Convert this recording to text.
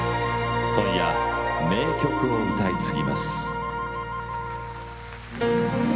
今夜は名曲を歌い継ぎます。